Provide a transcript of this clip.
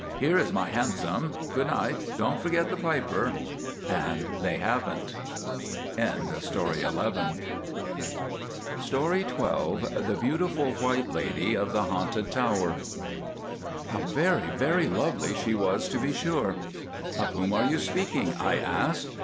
Here is my hansom. Good night, don't forget the Piper." And they haven't. The Beautiful White Lady of the Haunted Tower. "How very, very lovely she was to be sure!" "Of whom are you speaking?" I asked.